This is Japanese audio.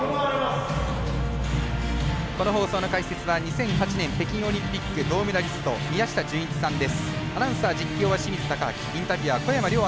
この放送の解説は２００８年北京オリンピック銅メダリスト宮下純一さんです。